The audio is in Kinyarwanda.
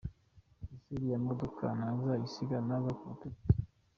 ese iriya modoka ntazayisiga nava ku butegetsi?